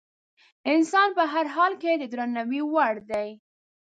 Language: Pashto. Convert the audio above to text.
انسان په هر حال کې د درناوي وړ دی.